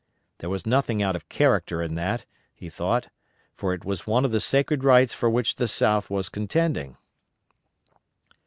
There was nothing out of character in that, he thought, for it was one of the sacred rights for which the South was contending.